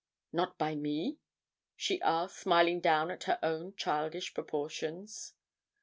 "Not by me?" she asked, smiling down at her own childish proportions.